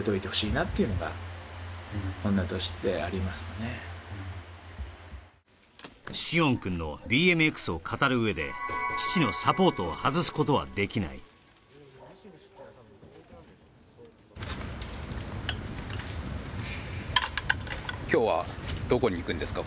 例えば詩音くんのＢＭＸを語るうえで父のサポートを外すことはできない今日はどこに行くんですか？